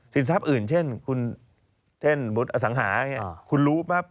ศิลป์อื่นเช่นสังหาฯคนรู้ปั๊บ